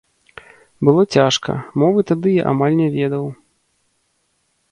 Было цяжка, мовы тады я амаль не ведаў.